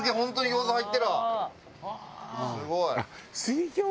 すごい！